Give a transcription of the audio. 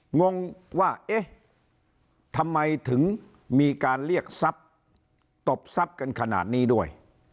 งงว่าเอ๊ะทำไมถึงมีการเรียกทรัพย์ตบทรัพย์กันขนาดนี้ด้วย